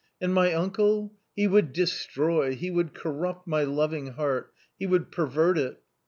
" And my uncle? He would destroy, he would corrupt my loving heart, he would pervert it."